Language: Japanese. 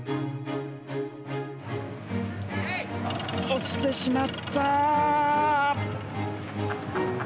落ちてしまった。